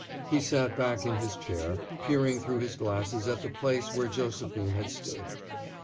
He sat back in his chair, peering through his glasses at the place where Josephine had stood.